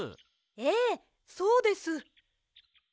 ええそうです。